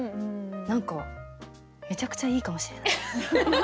何かめちゃくちゃいいかもしれない。